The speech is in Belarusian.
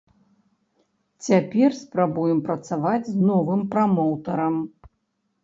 Цяпер спрабуем працаваць з новым прамоўтарам.